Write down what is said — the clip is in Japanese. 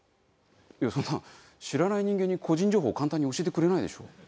いやそんな知らない人間に個人情報簡単に教えてくれないでしょ。